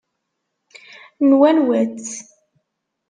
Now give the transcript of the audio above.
N wanwa-tt?